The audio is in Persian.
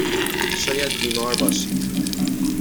شاید بیمار باشید.